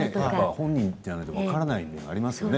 本人じゃないと分からないものがありますよね。